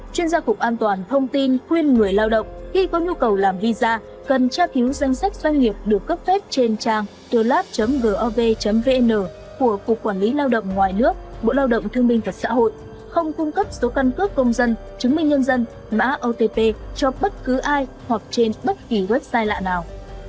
chuyên gia cục an toàn thông tin khuyên người lao động khi có nhu cầu làm visa cần tra cứu danh sách doanh nghiệp được cấp phép trên trang thelab gov vn của cục quản lý lao động ngoài nước bộ lao động thương minh và xã hội không cung cấp số căn cướp công dân chứng minh nhân dân mã otp cho bất cứ ai hoặc trên bất kỳ website lạ nào